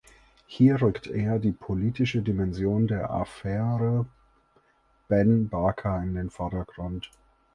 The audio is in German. Hier rückt eher die politische Dimension der "Affaire Ben Barka" in den Vordergrund.